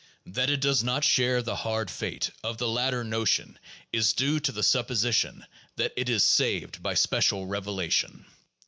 That it does not share the hard fate of the latter notion is due to the supposition that it is saved by special revelation.